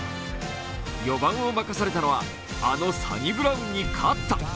４番を任されたのは、あのサニブラウンに勝った、